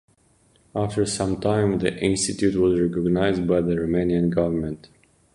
After some time the institute was recognized by the Romanian government.